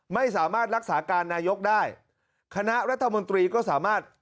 ไม่สามารถรักษาการนายกได้คณะรัฐมนตรีก็สามารถ